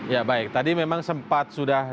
ya baik tadi memang sempat sudah